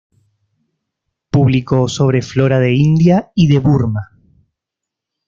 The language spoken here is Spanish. Publicó sobre flora de India y de Burma.